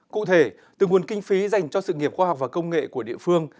cụ thể từ nguồn kinh phí dành cho sự nghiệp khoa học và công nghệ của địa phương